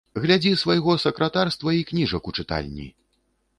Глядзі свайго сакратарства й кніжак у чытальні.